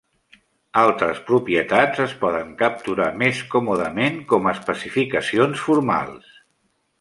Altres propietats es poden capturar més còmodament com a especificacions formals.